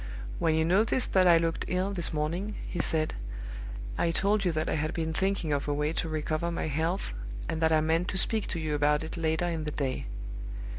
"When you noticed that I looked ill this morning," he said, "I told you that I had been thinking of a way to recover my health, and that I meant to speak to you about it later in the day.